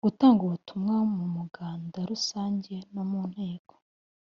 Gutanga ubutumwa mu Muganda Rusange no mu Nteko